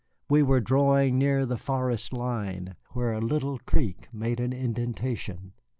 We were drawing near the forest line, where a little creek made an indentation.